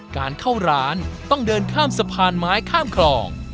การเข้าร้านต้องเดินข้ามสะพานไม้ข้ามคลอง